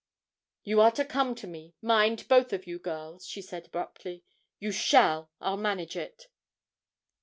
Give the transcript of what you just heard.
'You are to come to me, mind, both of you girls,' she said, abruptly; 'you shall. I'll manage it.'